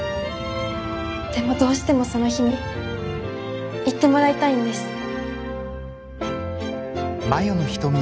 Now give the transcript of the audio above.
でもどうしてもその日に行ってもらいたいんです。